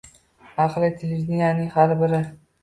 ahli televideniyening har biri